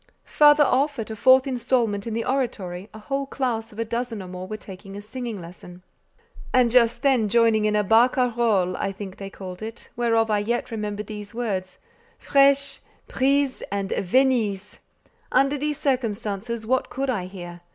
Farther off, at a fourth instrument in the oratory, a whole class of a dozen or more were taking a singing lesson, and just then joining in a "barcarole" (I think they called it), whereof I yet remember these words "fraîchë," "brisë," and "Venisë." Under these circumstances, what could I hear?